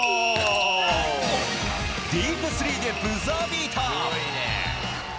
ディープスリーでブザービーター。